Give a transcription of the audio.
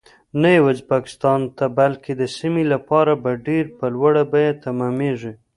نه یوازې پاکستان ته بلکې د سیمې لپاره به ډیر په لوړه بیه تمامیږي